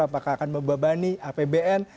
apakah akan membebani apbn